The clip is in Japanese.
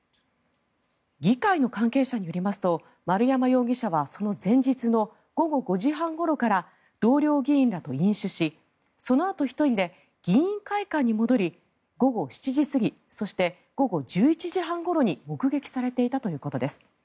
議会の関係者によりますと丸山容疑者はその前日の午後５時半ごろから同僚議員らと飲酒しそのあと１人で議員会館に戻り午後７時過ぎそして午後１１時半ごろに目撃されていたということです。